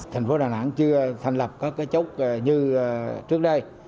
thành phố đà nẵng chưa thành lập các chốt như trước đây